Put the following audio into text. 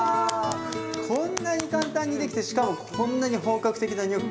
こんなに簡単にできてしかもこんなに本格的なニョッキ。